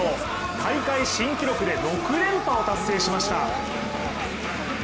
大会新記録で６連覇を達成しました。